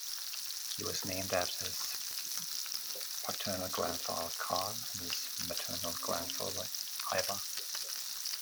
He was named after his paternal grandfather, Carl, and his maternal grandfather, Ivar.